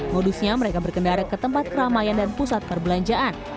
modusnya mereka berkendara ke tempat keramaian dan pusat perbelanjaan